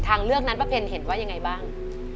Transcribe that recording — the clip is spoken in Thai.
ทางเลือกนั้นป้าเพ็ญเห็นว่ายังไงบ้าง